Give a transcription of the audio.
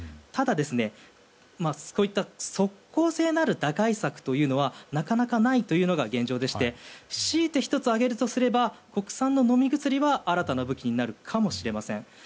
ただ、こういった即効性のある打開策というのはなかなかないというのが現状でして強いて１つ挙げるとしたら国産の飲み薬は新たな武器になるかもしれません。